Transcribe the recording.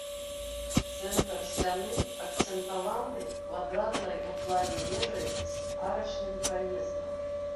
Цэнтр сцяны акцэнтаваны квадратнай у плане вежай з арачным праездам.